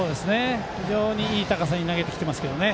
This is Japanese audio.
非常にいい高さに投げてきてますけどね。